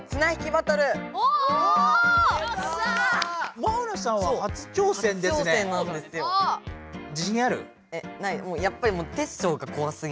マウナさんは初挑戦ですね。